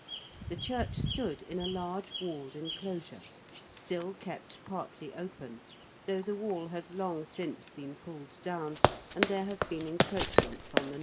The church stood in a large walled enclosure, still kept partly open, though the wall has long since been pulled down and there have been encroachments on the north side.